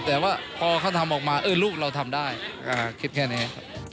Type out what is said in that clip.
แต่ว่าพอเขาทำออกมาลูกเราทำได้คิดแค่นี้